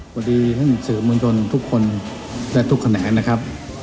สวัสดีท่านสื่อมวลชนทุกคนและทุกแขนงนะครับ